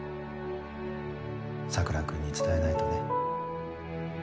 桜君に伝えないとね。